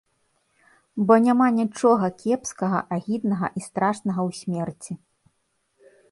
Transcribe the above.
Бо няма нічога кепскага, агіднага і страшнага ў смерці.